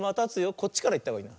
こっちからいったほうがいい。